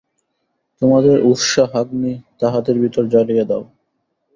তোমাদের উৎসাহাগ্নি তাহাদের ভিতর জ্বালিয়া দাও।